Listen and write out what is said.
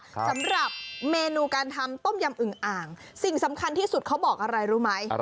สำหรับเมนูการทำต้มยำอึงอ่างสิ่งสำคัญที่สุดเขาบอกอะไรรู้ไหม